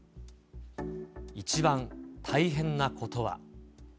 一番大変なことは。